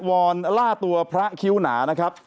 วอนล่าตัวพระคิ้วหนานะครับ